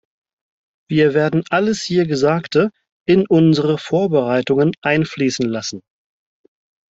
Wir werden alles hier Gesagte in unsere Vorbereitungen einfließen lassen.